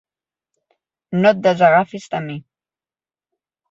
No et desagafis de mi.